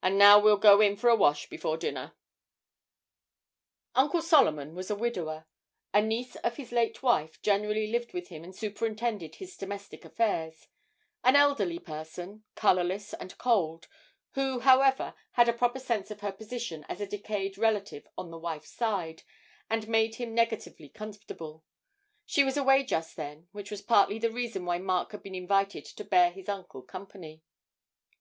And now we'll go in for a wash before dinner.' Uncle Solomon was a widower; a niece of his late wife generally lived with him and superintended his domestic affairs an elderly person, colourless and cold, who, however, had a proper sense of her position as a decayed relative on the wife's side, and made him negatively comfortable; she was away just then, which was partly the reason why Mark had been invited to bear his uncle company.